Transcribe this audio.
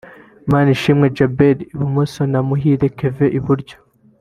Manishimwe Djabel (ibumoso) na Muhire Kevin (iburyo)